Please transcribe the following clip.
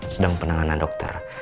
sedang penanganan dokter